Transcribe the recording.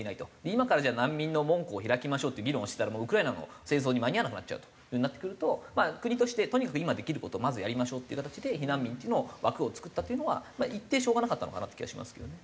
今からじゃあ難民の門戸を開きましょうって議論をしてたらもうウクライナの戦争に間に合わなくなっちゃうというようになってくると国としてとにかく今できる事をまずやりましょうっていう形で避難民っていうのを枠を作ったっていうのは言ってしょうがなかったのかなって気はしますけどね。